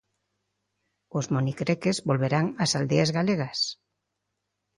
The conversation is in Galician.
"Os monicreques volveran ás aldeas galegas".